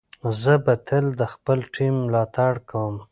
زه به تل د خپل ټیم ملاتړ کوم.